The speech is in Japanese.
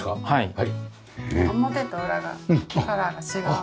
はい。